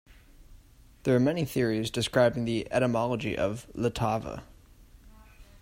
There are many theories describing etymology of "Ltava".